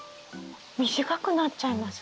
短くなっちゃいます？